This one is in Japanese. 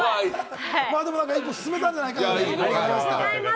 一歩進めたんじゃないかなと思います。